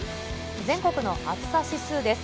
全国の暑さ指数です。